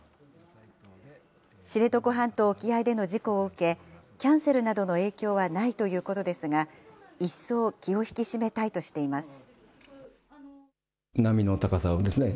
知床半島沖合での事故を受け、キャンセルなどの影響はないということですが、一層、気を引き締めたいとしています。